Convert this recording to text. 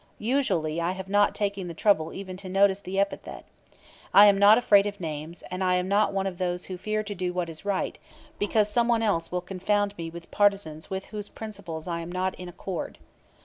Usually I have not taken the trouble even to notice the epithet. I am not afraid of names, and I am not one of those who fear to do what is right because some one else will confound me with partisans with whose principles I am not in accord.